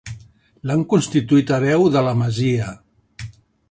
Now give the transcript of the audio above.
L'han constituït hereu de la masia.